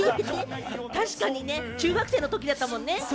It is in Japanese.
確かに中学生のときだったもんね。